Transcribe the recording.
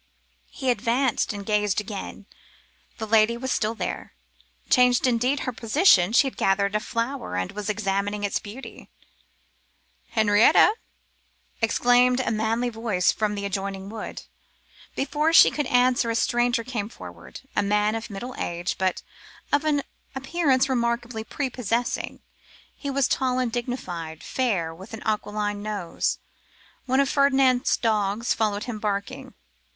He advanced, and gazed again; the lady was still there. Changed indeed her position; she had gathered a flower and was examining its beauty. 'Henrietta!' exclaimed a manly voice from the adjoining wood. Before she could answer, a stranger came forward, a man of middle age but of an appearance remarkably prepossessing. He was tall and dignified, fair, with an aquiline nose. One of Ferdinand's dogs followed him barking.